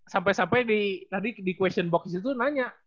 sampai sampai di tadi di question box itu nanya